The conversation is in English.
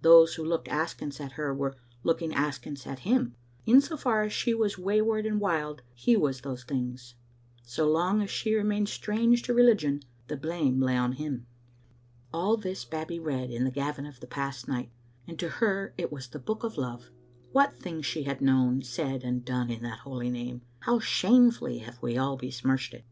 Those who looked askance at her were looking askance at him ; in so far as she was way ward and wild, he was those things ; so long as she re mained strange to religion, the blame lay on him. All this Babbie read in the Gavin of the past night, and to her it was the book of love. What things she had known, said and done in that holy name! How shamefully have we all besmirched it